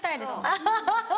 アハハハ！